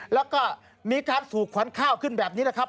แล้วก็มีการถูกขวัญข้าวขึ้นแบบนี้นะครับ